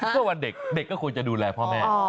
เพื่อวันเด็กเด็กก็ควรจะดูแลพ่อแม่